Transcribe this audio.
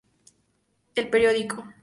El Periódico.